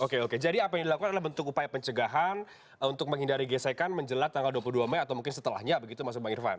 oke oke jadi apa yang dilakukan adalah bentuk upaya pencegahan untuk menghindari gesekan menjelat tanggal dua puluh dua mei atau mungkin setelahnya begitu mas bang irvan